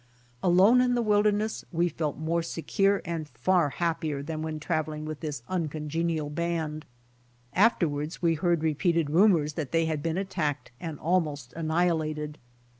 Alone in the wilderness, we felt more secure and far happier than when travelling with this uncongenial band. Afterwards we heard repeated rumors that they had been attacked and almost annihilated.